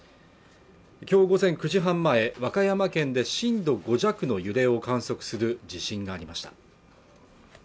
きょう午前９時半前、和歌山県で震度５弱の揺れを観測する地震がありました